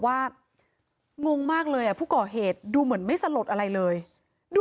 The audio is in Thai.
งงมากเลยอ่ะผู้ก่อเหตุดูเหมือนไม่สลดอะไรเลยดู